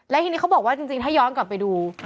และทีนี้เขาบอกว่าจริงถ้าย้อนกลับไปดู